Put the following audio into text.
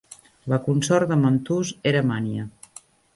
La consort de Mantus era Mania.